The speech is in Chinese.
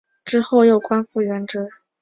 之后又恢复官职。